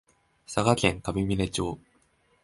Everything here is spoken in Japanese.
佐賀県上峰町